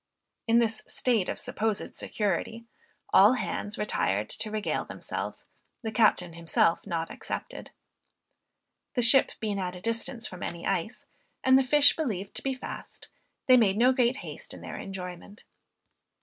In this state of supposed security, all hands retired to regale themselves, the captain himself not excepted. The ship being at a distance from any ice, and the fish believed to be fast, they made no great haste in their enjoyment.